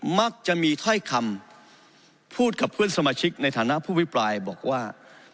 มักจะมีถ้อยคำพูดกับเพื่อนสมาชิกในฐานะผู้พิปรายบอกว่า